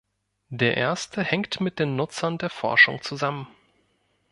Der erste hängt mit den Nutzern der Forschung zusammen.